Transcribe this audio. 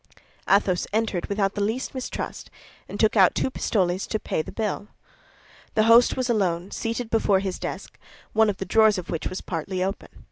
Athos entered without the least mistrust, and took out two pistoles to pay the bill. The host was alone, seated before his desk, one of the drawers of which was partly open.